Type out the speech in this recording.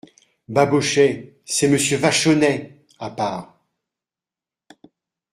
Babochet C'est Monsieur Vachonnet ! à part.